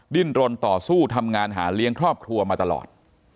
ดิ้นรนต่อสู้ทำงานหาเลี้ยงครอบครัวมาตลอด